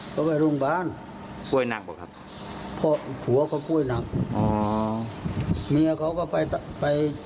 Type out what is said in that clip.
เพราะผัวก็พ่วยหนับเมียเค้าก็ไป